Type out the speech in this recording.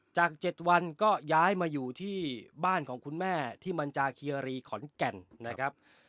๗วันก็ย้ายมาอยู่ที่บ้านของคุณแม่ที่มันจาเคียรีขอนแก่นนะครับ